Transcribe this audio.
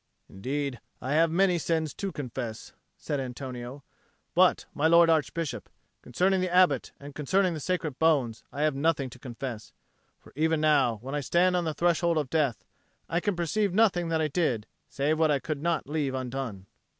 "Indeed I have many sins to confess," said Antonio; "but, my Lord Archbishop, concerning the Abbot and concerning the Sacred Bones I have nothing to confess. For even now, when I stand on the threshold of death, I can perceive nothing that I did save what I could not leave undone."